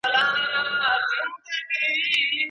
یو د بل په وینو سره به کړي لاسونه